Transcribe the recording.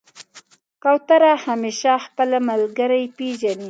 کوتره همیشه خپل ملګری پېژني.